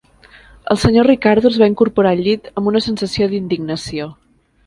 El senyor Ricardo es va incorporar al llit amb una sensació d'indignació.